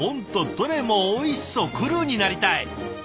どれもおいしそうクルーになりたい！